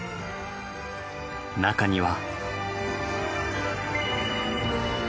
中には。